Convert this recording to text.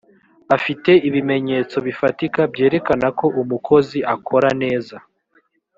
afite ibimenyetso bifatika byerekana ko umukozi akora neza